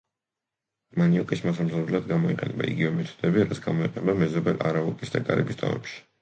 მანიოკის მოსამზადებლად გამოიყენება იგივე მეთოდები, რაც გამოიყენება მეზობელ არავაკის და კარიბის ტომებში.